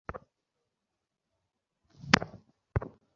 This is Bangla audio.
সে মোটেও বলতে পারে না যে, কিভাবে সে এই লোকালয়ে এসে পৌঁছল।